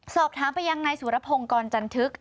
สอบถามไปยังนายสุรพงศ์กรจันทึก